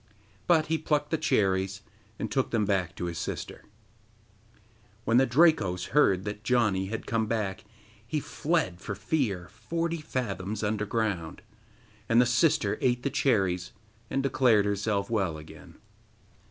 But he plucked the cherries, and took them back to his sister. When the Drakos heard that Janni had come back, he fled for fear forty fathoms underground. And the sister ate the cherries and declared herself well again.